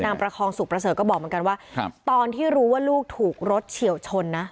ประคองสุขประเสริฐก็บอกเหมือนกันว่าครับตอนที่รู้ว่าลูกถูกรถเฉียวชนนะ